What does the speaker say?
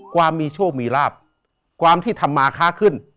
ความมีโชคมีลาบความที่ทำมาค้าขึ้น